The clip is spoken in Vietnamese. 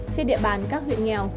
trên địa bàn các huyện nghèo